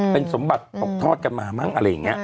เป็นสมบัติตกทอดกันมามั้งอะไรอย่างนี้